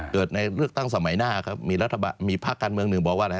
เกิดในเลือกตั้งสมัยหน้าครับมีรัฐบาลมีพักการเมืองหนึ่งบอกว่า